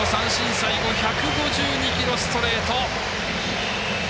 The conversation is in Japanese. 最後１５２キロ、ストレート。